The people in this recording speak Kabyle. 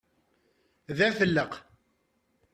D afelleq!